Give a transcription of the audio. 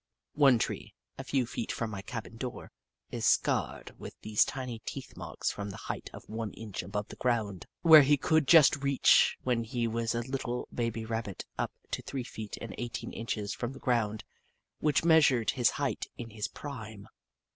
One tree, a few feet from my cabin door, is scarred with these tiny teeth marks from the height of one inch above the ground, where he could just reach when he was a little baby Rabbit, up to three feet and eighteen inches from the ground, which measured his height in his prime.